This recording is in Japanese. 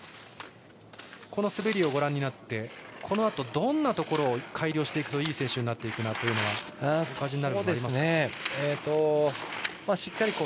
この滑りをご覧になってどんなところを改良していくといい選手になっていくと感じますか。